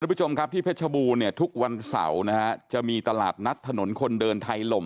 ผู้ชมครับที่เพชรบูรณเนี่ยทุกวันเสาร์นะฮะจะมีตลาดนัดถนนคนเดินไทยลม